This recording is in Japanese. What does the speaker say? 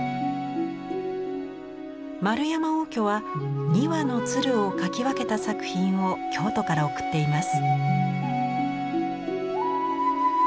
円山応挙は２羽の鶴を描き分けた作品を京都から贈っています。